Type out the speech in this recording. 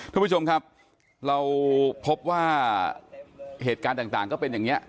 ทุกผู้ชมครับเราพบว่าเหตุการณ์ต่างก็เป็นอย่างนี้